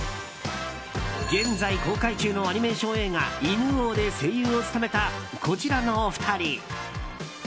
現在公開中のアニメーション映画「犬王」で声優を務めたこちらの２人。